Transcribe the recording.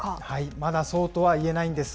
まだそうとは言えないんです。